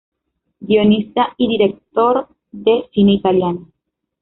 Guionista y director de cine italiano.